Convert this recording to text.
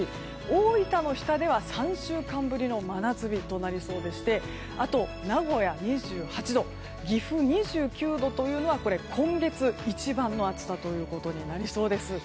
大分の日田では３週間ぶりの真夏日となりそうでしてあとは名古屋２８度岐阜２９度というのは今月一番の暑さということになりそうです。